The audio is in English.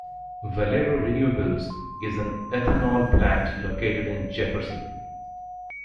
Valero Renewables is an ethanol plant located in Jefferson.